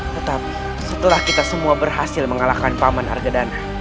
tetapi setelah kita semua berhasil mengalahkan paman harga dana